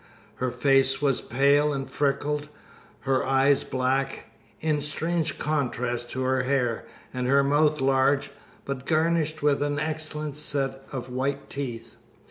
Her face was pale and freckled, her eyes black in strange contrast to her hair, and her mouth large, but garnished with an excellent set of white teeth.